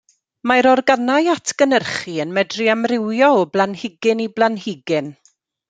Mae'r organau atgynhyrchu yn medru amrywio o blanhigyn i blanhigyn.